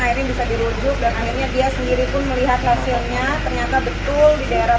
akhirnya bisa dirujuk dan akhirnya dia sendiri pun melihat hasilnya ternyata betul di daerah